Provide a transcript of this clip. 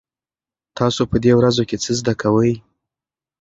تاسو په دې ورځو کې څه زده کوئ؟